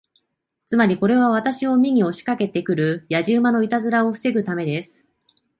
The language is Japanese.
つまり、これは私を見に押しかけて来るやじ馬のいたずらを防ぐためです。